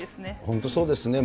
本当、そうですね。